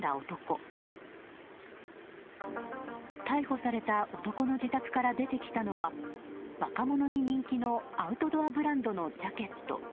逮捕された男の自宅から出てきたのは若者に人気のアウトドアブランドのジャケット。